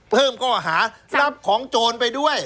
เพิ่มก็หารับของโจญไปด้วย